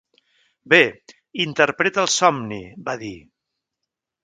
"Bé, interpreta el somni", va dir.